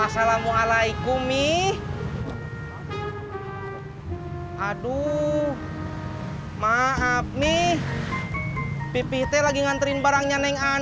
sampai jumpa di video selanjutnya